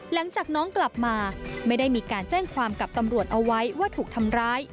หลังจากน้องกลับมาไม่ได้มีการแจ้งความกับตำรวจเอาไว้ว่าถูกทำร้าย